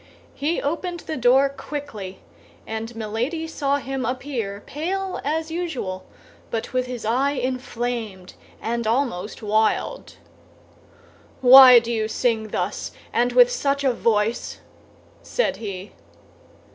He opened the door quickly; and Milady saw him appear, pale as usual, but with his eye inflamed and almost wild. "Why do you sing thus, and with such a voice?" said he.